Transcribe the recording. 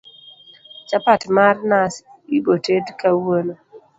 chapat mar nas iboted kawuono